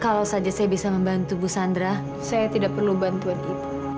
kalau saja saya bisa membantu bu sandra saya tidak perlu bantuan ibu